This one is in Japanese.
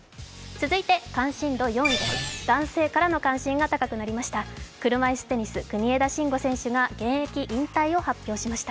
続いて関心度４位です男性からの関心が高くなりました。